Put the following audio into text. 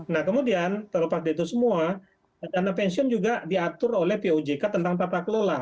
nah kemudian terlepas dari itu semua dana pensiun juga diatur oleh pojk tentang tata kelola